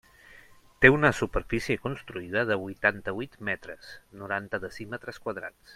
Té una superfície construïda de huitanta-huit metres, noranta decímetres quadrats.